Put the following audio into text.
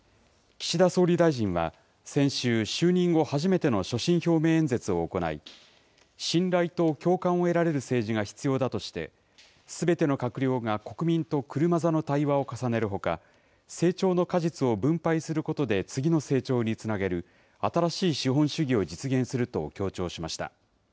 岸田総理大臣は、先週、就任後初めての所信表明演説を行い、信頼と共感を得られる政治が必要だとして、すべての閣僚が国民と車座の対話を重ねるほか、成長の果実を分配することで次の成長につなげる、新しい資本主義を実現すると強調しました。